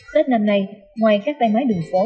tết năm nay ngoài các tay máy đường phố